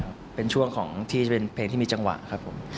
ก็เป็นช่วงของที่จะเป็นเพลงที่มีจังหวะครับผม